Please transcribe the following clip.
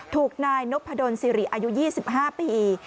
ถูกนายนพดลสิริอายุ๒๕ปี